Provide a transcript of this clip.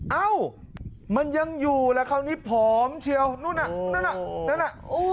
เอ้ามันยังอยู่แล้วคราวนี้ผอมเชียวนู่นน่ะนั่นน่ะนั่นแหละ